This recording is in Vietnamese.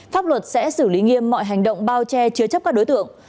pháp luật sẽ xử lý nghiêm mọi hành động bao che chứa chấp các đối tượng